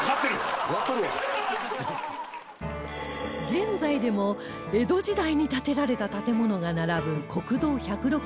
現在でも江戸時代に建てられた建物が並ぶ国道１６６号